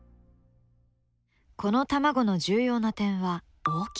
この卵の重要な点は大きさ。